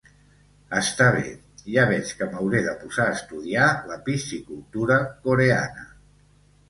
Està bé, ja veig que m'hauré de posar a estudiar la piscicultura coreana.